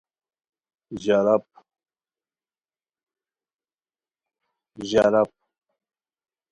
ژاراپ